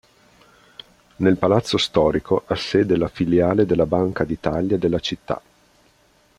Nel palazzo storico ha sede la filiale della Banca d'Italia della città.